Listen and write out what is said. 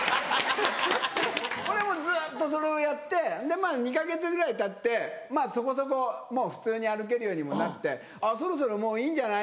ずっとそれをやって２か月ぐらいたってまぁそこそこもう普通に歩けるようにもなって「そろそろいいんじゃない？」